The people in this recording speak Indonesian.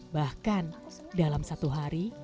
bahkan dalam satu hari